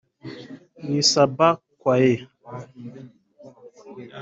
Nii Sabahn Quaye